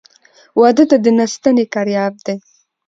واده د نه ستني کرياب دى.